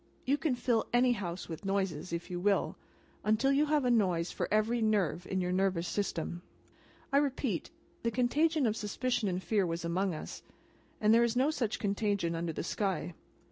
You can fill any house with noises, if you will, until you have a noise for every nerve in your nervous system. I repeat; the contagion of suspicion and fear was among us, and there is no such contagion under the sky.